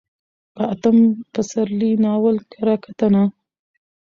په اتم پسرلي ناول کره کتنه: